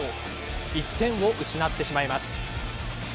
１点を失ってしまいます。